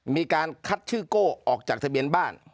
มีการคัดชื่อโก้ออกจากทะเบียนบ้าน